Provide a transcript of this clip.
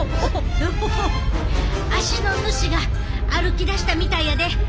足の主が歩きだしたみたいやで。